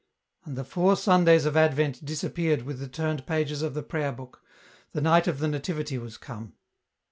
And the four Sundays of Advent disappeared with the turned pages of the prayer book ; the night of the Nativity was come.